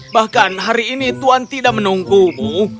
bahkan hari ini tuhan tidak menunggumu